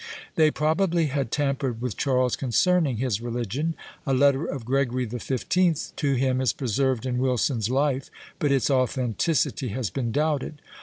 They probably had tampered with Charles concerning his religion. A letter of Gregory XV. to him is preserved in Wilson's life, but its authenticity has been doubted.